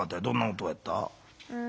どんな音やった？